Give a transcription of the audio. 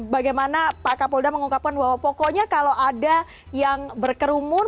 bagaimana pak kapolda mengungkapkan bahwa pokoknya kalau ada yang berkerumun